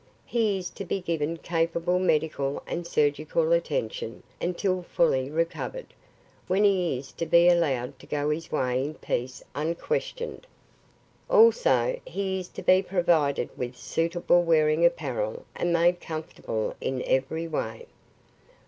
He is to be given capable medical and surgical attention until fully recovered, when he is to be allowed to go his way in peace unquestioned. "Also, he is to be provided with suitable wearing apparel and made comfortable in every way.